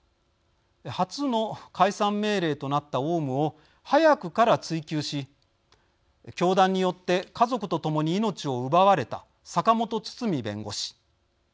初の解散命令となったオウムを早くから追及し教団によって家族と共に命を奪われた坂本堤弁護士。